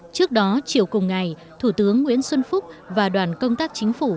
trước đó chiều cùng ngày thủ tướng nguyễn xuân phúc và đoàn công tác chính phủ